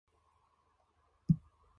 It is in length and in wingspan.